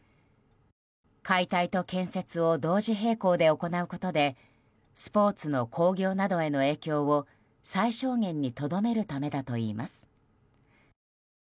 解体と建設を同時並行で行うことでスポーツの興業などへの影響を最小限にとどめるためだといいます。